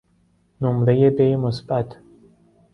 نمرهی ب مثبت